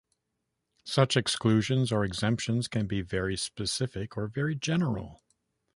Such exclusions or exemptions can be quite specific or very general.